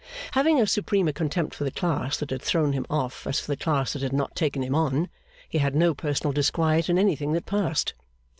Having as supreme a contempt for the class that had thrown him off as for the class that had not taken him on, he had no personal disquiet in anything that passed.